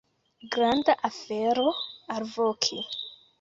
Granda afero alvoki!